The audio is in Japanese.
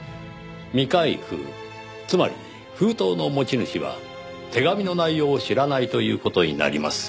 未開封つまり封筒の持ち主は手紙の内容を知らないという事になります。